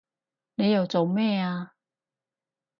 你又做咩啊